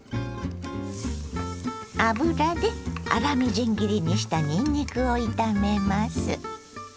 油で粗みじん切りにしたにんにくを炒めます。